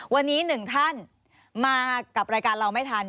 วันนี้หนึ่งท่านมากับรายการเราไม่ทัน